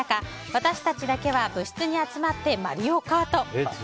私たちだけは部室に集まって「マリオカート」。